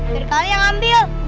biar kalian ambil